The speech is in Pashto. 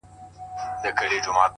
ټول عمر ښېرا کوه دا مه وايه.